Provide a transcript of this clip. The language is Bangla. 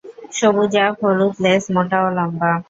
সবুজাভ-হলুদ লেজ মোটা ও লম্বা।